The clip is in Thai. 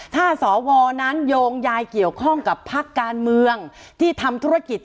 ถ้าสวนั้นโยงยายเกี่ยวข้องกับพักการเมืองที่ทำธุรกิจ